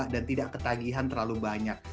dan tidak ketagihan terlalu banyak